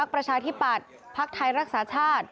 ประชาธิปัตย์พักไทยรักษาชาติ